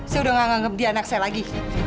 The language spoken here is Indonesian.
saya udah gak anggap dia anak saya lagi